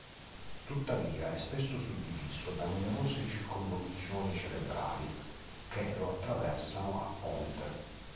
Tuttavia è spesso suddiviso da numerose circonvoluzioni cerebrali che lo attraversano a ponte.